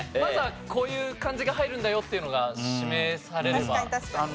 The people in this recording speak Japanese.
まずはこういう感じが入るんだよっていうのが示されれば。